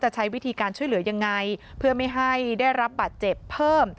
ใช้วิธีการช่วยเหลือยังไงเพื่อไม่ให้ได้รับบาดเจ็บเพิ่ม